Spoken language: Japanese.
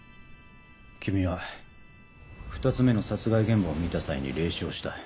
君は２つ目の殺害現場を見た際に霊視をした。